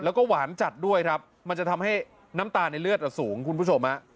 แล้วก็หวานจัดด้วยครับมันจะทำให้น้ำตาลในเลือดสูงคุณผู้ชมฮะ